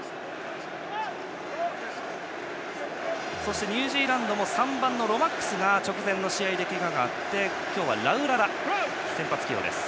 そして、ニュージーランドも３番の選手が直前の試合でけががあって今日はラウララが先発起用。